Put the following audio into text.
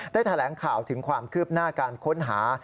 แถลงข่าวถึงความคืบหน้าการค้นหา